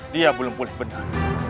dia belum pulih benar